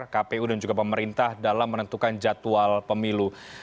kpu dan juga pemerintah dalam menentukan jadwal pemilu